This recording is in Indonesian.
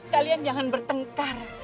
kalian jangan bertengkar